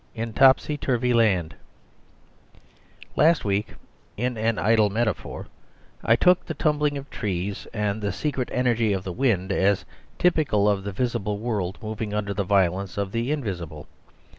In Topsy Turvy Land Last week, in an idle metaphor, I took the tumbling of trees and the secret energy of the wind as typical of the visible world moving under the violence of the invisible.